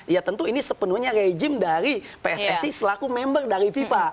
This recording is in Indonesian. ya tentu ini sepenuhnya rejim dari pssi selaku member dari fifa